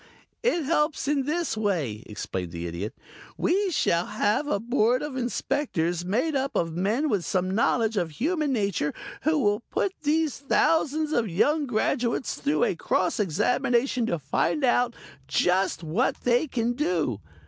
"It helps in this way," explained the Idiot. "We shall have a Board of Inspectors made up of men with some knowledge of human nature who will put these thousands of young graduates through a cross examination to find out just what they can do.